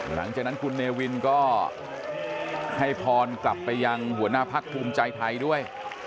หลังจากนั้นคุณเนวินก็ให้พรกลับไปยังหัวหน้าพักภูมิใจไทยด้วย